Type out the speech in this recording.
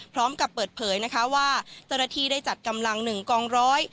พร้อมกับเปิดเผยว่าจรภีได้จัดกำลัง๑กองร้อย